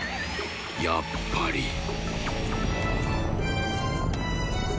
やっぱり。